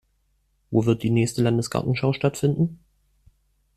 Wo wird die nächste Landesgartenschau stattfinden?